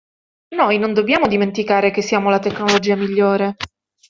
Noi non dobbiamo dimenticare che siamo la tecnologia migliore.